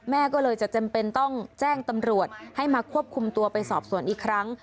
แม่ก็เลยจะจำเป็นต้องแจ้งตำรวจให้มาควบคุมตัวไปสอบสวนอีกครั้ง